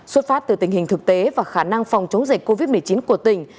xuất phát từ tình hình thực tế và khả năng phòng chống dịch covid một mươi chín của tỉnh